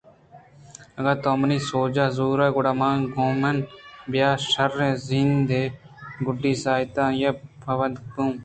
اگاں تو منی سوجاں زورےگڑا تو گوںمن بیاءُ شیرءِ زندءِ گُڈّی ساعتاں آئی ءِ پانگ بُو